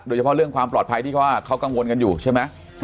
เรื่องความปลอดภัยที่เขากังวลกันอยู่ใช่ไหม